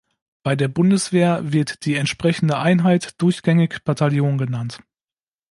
Bei der Bundeswehr wird die entsprechende Einheit durchgängig Bataillon genannt.